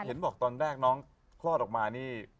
เห็นบอกตอนแรกน้องคลอดออกมานี่